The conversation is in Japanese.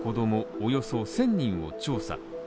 およそ１０００人を調査。